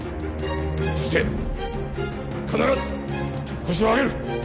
そして必ずホシを挙げる！